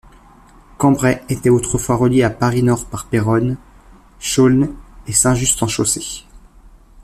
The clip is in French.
Cambrai était autrefois reliée à Paris-Nord par Péronne, Chaulnes et Saint-Just-en-Chaussée.